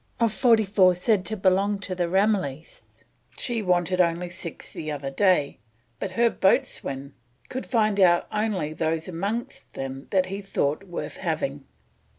Of forty four said to belong to the Ramilies, she wanted only six the other day, but her boatswain could find out only those amongst them that he thought worth having."